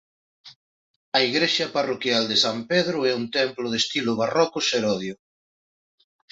A igrexa parroquial de san Pedro é un templo de estilo barroco serodio.